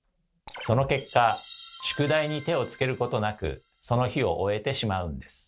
その結果宿題に手をつけることなくその日を終えてしまうんです。